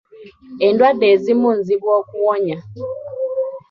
Endwadde ezimu nzibu okuwonya.